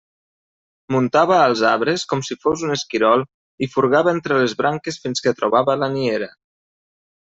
Muntava als arbres com si fos un esquirol i furgava entre les branques fins que trobava la niera.